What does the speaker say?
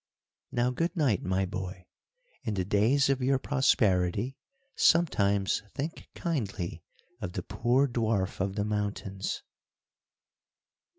"Now good night, my boy. In the days of your prosperity, sometimes think kindly of the poor dwarf of the mountains."